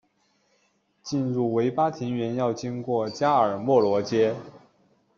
进入维巴庭园要经过加尔默罗街。